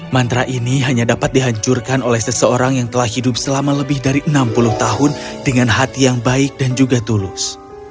mantra ini hanya dapat dihancurkan oleh seseorang yang telah hidup selama lebih dari enam puluh tahun dengan hati yang baik dan juga tulus